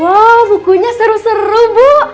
oh bukunya seru seru bu